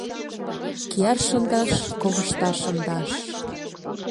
Кияр шындаш, ковышта шындаш